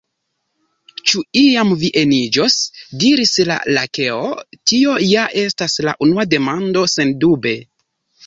"Ĉu iam vi eniĝos?" diris la Lakeo. "Tio ja estas la unua demando." Sendube!